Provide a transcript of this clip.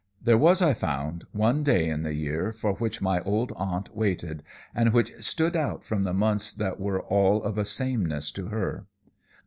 "There was, I found, one day in the year for which my old aunt waited, and which stood out from the months that were all of a sameness to her.